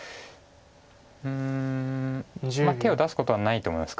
うん手を出すことはないと思います